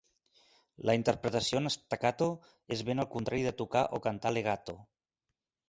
La interpretació en staccato és ben el contrari de tocar o cantar legato.